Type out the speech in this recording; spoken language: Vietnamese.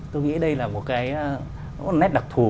tôi nghĩ đây là một cái nét đặc thù